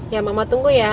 ya mama tunggu ya